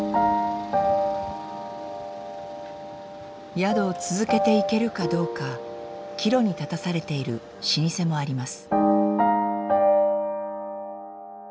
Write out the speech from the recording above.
宿を続けていけるかどうか岐路に立たされている老舗もあります。